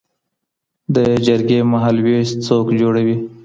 د جرګي مهالویش څوک جوړوي؟